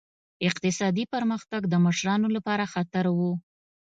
اقتصادي پرمختګ د مشرانو لپاره خطر و.